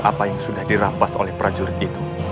apa yang sudah dirampas oleh prajurit itu